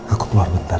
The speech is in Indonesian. aku keluar bentar